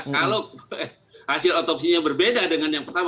kalau hasil otopsinya berbeda dengan yang pertama